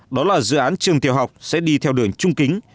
đó là dự án trường tiểu học sẽ đi theo đường trung kính